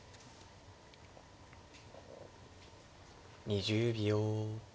２０秒。